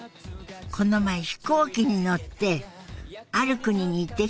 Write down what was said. この前飛行機に乗ってある国に行ってきたみたいなのよ。